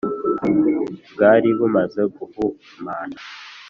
bwari bumaze guhumana